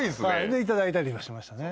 で頂いたりはしましたね。